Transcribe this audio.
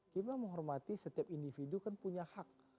kita menghormati setiap individu kan punya hak